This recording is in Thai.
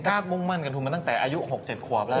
มุ่งมั่นกับทุนมาตั้งแต่อายุ๖๗ขวบแล้ว